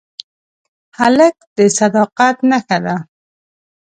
هلک د صداقت نښه ده.